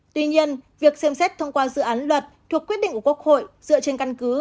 tuy nhiên việc xem xét thông qua dự án luật thuộc quyết định của quốc hội dựa trên căn cứ